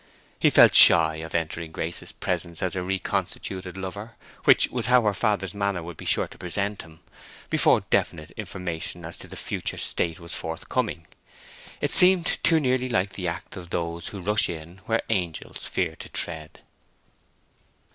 He felt shy of entering Grace's presence as her reconstituted lover—which was how her father's manner would be sure to present him—before definite information as to her future state was forthcoming; it seemed too nearly like the act of those who rush in where angels fear to tread.